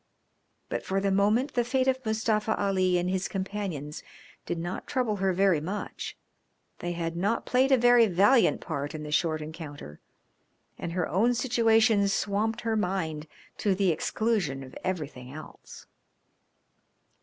But for the moment the fate of Mustafa Ali and his companions did not trouble her very much; they had not played a very valiant part in the short encounter, and her own situation swamped her mind to the exclusion of everything else.